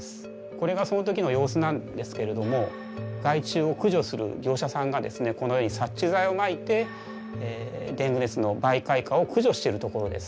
これがその時の様子なんですけれども害虫を駆除する業者さんがですねこのように殺虫剤をまいてデング熱の媒介蚊を駆除しているところです。